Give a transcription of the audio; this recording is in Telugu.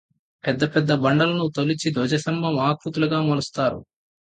పెద్ద పెద్ద బండలను తొలిచి ధ్వజస్తంభం ఆకృతులుగా మలుస్తారు